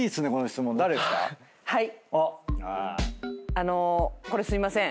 あのこれすいません。